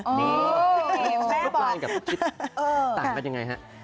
นี่ลูกลานกับลูกชิดต่างกันอย่างไรฮะ